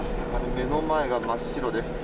目の前が真っ白です。